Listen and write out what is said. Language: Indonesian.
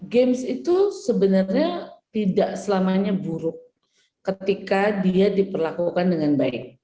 games itu sebenarnya tidak selamanya buruk ketika dia diperlakukan dengan baik